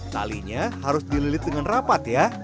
talinya harus dililit dengan rapat ya